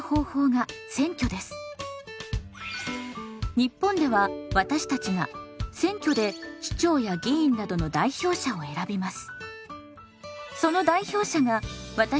日本では私たちが選挙で首長や議員などの代表者を選びます。